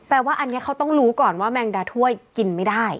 ว่าอันนี้เขาต้องรู้ก่อนว่าแมงดาถ้วยกินไม่ได้